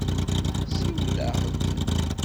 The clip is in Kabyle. Siwel-aɣ-d.